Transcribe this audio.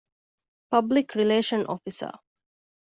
ޕަބްލިކްރިލޭޝަން އޮފިސަރ